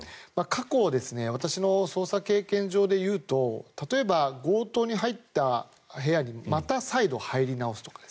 過去私の捜査経験上でいうと例えば、強盗に入った部屋にまた再度入り直すとか。